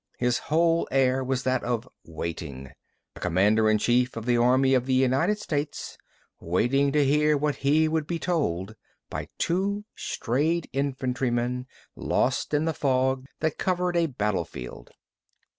His whole air was that of waiting: the commander in chief of the army of the United States, waiting to hear what he would be told by two strayed infantrymen, lost in the fog that covered a battlefield.